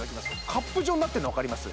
カップ状になってんの分かります？